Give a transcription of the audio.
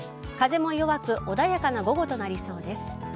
風も弱く穏やかな午後となりそうです。